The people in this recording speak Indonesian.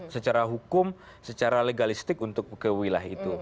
secara hukum secara legalistik untuk kewilai itu